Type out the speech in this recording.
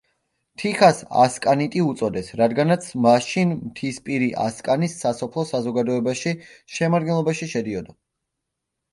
თიხას „ასკანიტი“ უწოდეს, რადგანაც მაშინ მთისპირი ასკანის სასოფლო საზოგადოებაში შემადგენლობაში შედიოდა.